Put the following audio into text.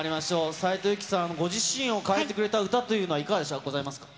斉藤由貴さん、ご自身を変えてくれた歌というのはいかがでした、ございますか？